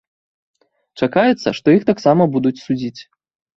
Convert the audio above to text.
Чакаецца, што іх таксама будуць судзіць.